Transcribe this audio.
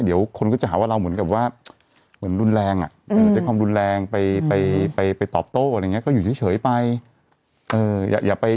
เดี๋ยวคนก็จะหาว่าเราเหมือนกับว่าเหมือนรุนแรงอ่ะเหมือนใช้ความรุนแรงไปตอบโต้อะไรอย่างนี้ก็อยู่เฉยไป